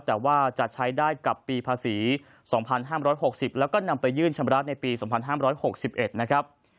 แต่ว่าจะใช้ได้กับปีภาษี๒๕๖๐แล้วก็นำไปยื่นชำระในปี๒๕๖๑นะครับ